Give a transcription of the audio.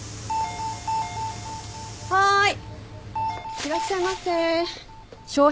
いらっしゃいませ。